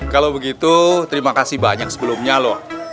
kalau begitu terima kasih banyak sebelumnya loh